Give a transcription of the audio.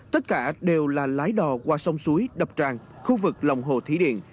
tất cả đều là lái đò qua sông suối đập tràn khu vực lòng hồ thí điểm